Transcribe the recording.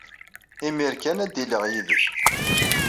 Imir kan ad d-iliɣ yid-k.